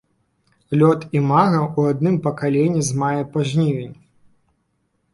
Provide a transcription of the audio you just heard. Лёт імага ў адным пакаленні з мая па жнівень.